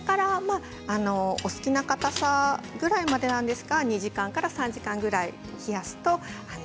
お好きなかたさまでなんですが２時間から３時間ぐらい冷やすと。